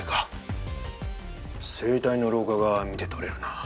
声帯の老化が見て取れるな。